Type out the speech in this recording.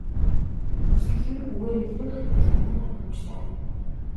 Дүрслэл нь үгээр илрэх долгионы давтамжтай.